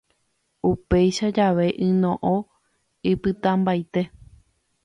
Upéicha jave yno'õ ipytãmbaite.